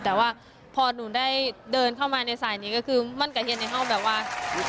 แต่ว่าพอหนูได้เดินเข้ามาในสายนี้ก็คือมั่นกับเฮียในห้องแบบว่า